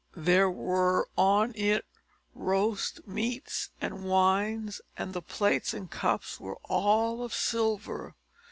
There were on it roast meats and wines, and the plates and cups were all of silver.